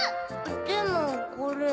でもこれ。